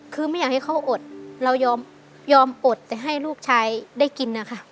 คือไม่อยากให้เขาอดเรายอมอดแต่ให้ลูกชายได้กินนะคะ